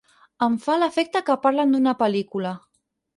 Em fa l'efecte que parlen d'una pel·lícula.